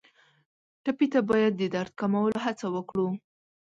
ټپي ته باید د درد کمولو هڅه وکړو.